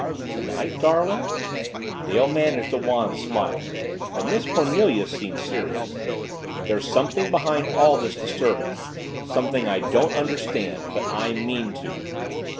"Tonight, darling?" Dale managed a wan smile. But Miss Cornelia seemed serious. "There's something behind all this disturbance something I don't understand. But I mean to."